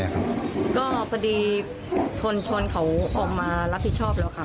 ครับก็พอดีทนชนเขาออกมารับผิดชอบแล้วครับอ้อ